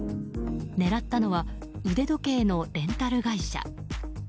狙ったのは腕時計のレンタル会社。